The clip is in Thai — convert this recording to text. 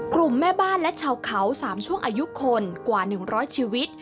แม่บ้านและชาวเขา๓ช่วงอายุคนกว่า๑๐๐ชีวิต